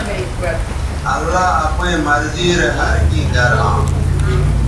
اللہ اپئیں مرضی رے ہر کیں گر ھاں